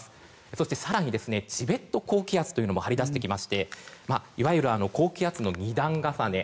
そして更に、チベット高気圧というのも張り出してきましていわゆる高気圧の２段重ね。